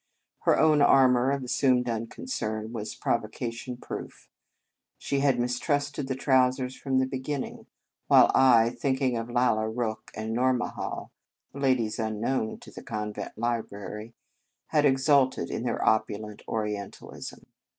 Her own armour of assumed unconcern was provocation proof. She had mis trusted the trousers from the begin ning, while I, thinking of Lalla Rookh and Nourmahal (ladies unknown to the convent library), had exulted in their opulent Orientalism.